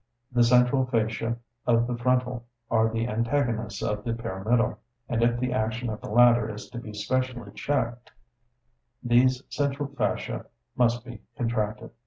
The central fasciae of the frontal are the antagonists of the pyramidal; and if the action of the latter is to be specially checked, these central fasciae must be contracted.